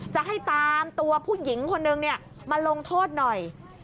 จะให้ตามตัวผู้หญิงคนนึงมาลงโทษหน่อย